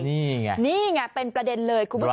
นี่ไงนี่ไงเป็นประเด็นเลยคุณผู้ชม